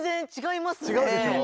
違うでしょう。